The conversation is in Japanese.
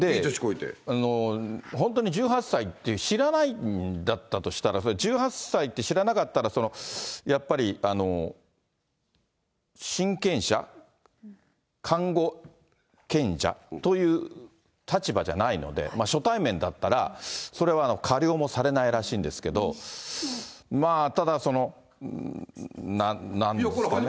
本当に１８歳って知らないんだったとしたら、１８歳って知らなかったら、そのやっぱり親権者、かんごけんじゃという立場じゃないので、初対面だったら、それは科料もされないらしいんですけれども、ただ、なんですかね。